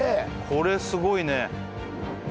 これすごいね。